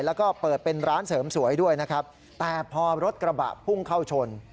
แล้วก็เปิดเป็นร้านเสริมสวยด้วยนะครับแต่พอรถกระบะพุ่งเข้าชน